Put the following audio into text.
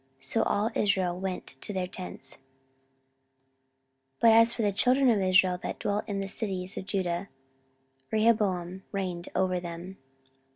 So all Israel went to their tents. 14:010:017 But as for the children of Israel that dwelt in the cities of Judah, Rehoboam reigned over them.